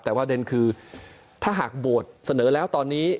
แต่ว่าเด็นคือถ้าหากโหวตเสนอแล้วตอนนี้